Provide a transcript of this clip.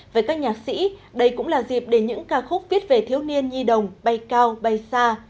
với các nhạc sĩ đây cũng là dịp để những ca khúc viết về thiếu niên nhi đồng bay cao bay xa